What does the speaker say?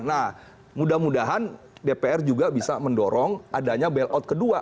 nah mudah mudahan dpr juga bisa mendorong adanya bailout kedua